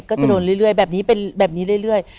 ก็จะโดนเรื่อยแบบนี้เป็นแบบนี้เรื่อย